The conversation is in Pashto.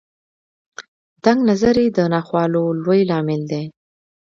تنګ نظري د ناخوالو لوی لامل دی.